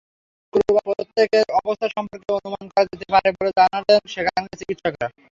শুক্রবার প্রত্যেকের অবস্থা সম্পর্কে অনুমান করা যেতে পারে বলে জানালেন সেখানকার চিকিৎসকরা।